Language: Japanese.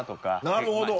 なるほど！